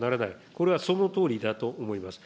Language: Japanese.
これはそのとおりだと思います。